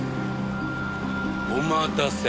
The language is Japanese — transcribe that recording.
お待たせ。